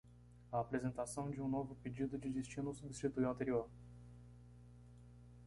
A apresentação de um novo pedido de destino substitui o anterior.